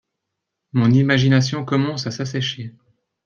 Mon imagination commence à s'assécher